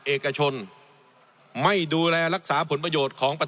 เอกชน